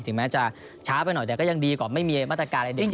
ถึงแม้จะช้าไปหน่อยก็ไม่มีมาตรการให้ได้ออกมา